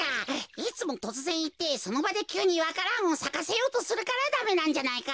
いつもとつぜんいってそのばできゅうにわか蘭をさかせようとするからダメなんじゃないか？